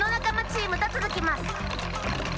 チームとつづきます。